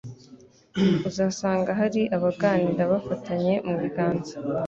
Uzasanga hari abaganira bafatanye mu biganza,